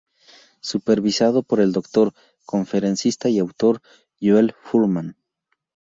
Supervisado por el doctor, conferencista y autor Joel Fuhrman.